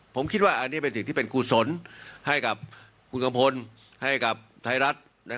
ผมคิดว่าอันนี้เป็นสิ่งที่เป็นกุศลให้กับคุณกัมพลให้กับไทยรัฐ